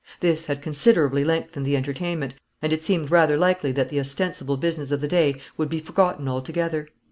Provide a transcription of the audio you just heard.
This had considerably lengthened the entertainment, and it seemed rather likely that the ostensible business of the day would be forgotten altogether.